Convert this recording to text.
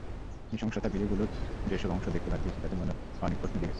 নৃশংসতার ভিডিওগুলোর যেসব অংশ দেখতে বাধ্য হয়েছি, তাতে মনে অনেক প্রশ্ন জেগেছে।